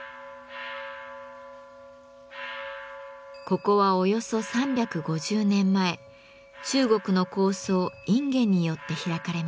ここはおよそ３５０年前中国の高僧隠元によって開かれました。